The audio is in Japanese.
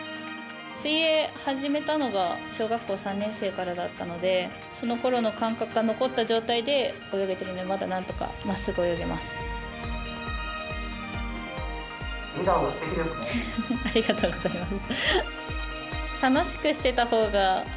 水泳始めたのが小学校３年生からだったのでそのころの感覚が残った状態で泳げているのでまだなんとかまっすぐ泳げています。